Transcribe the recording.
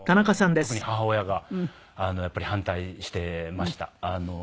特に母親がやっぱり反対してました。